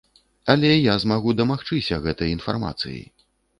Але я змагу дамагчыся гэтай інфармацыі.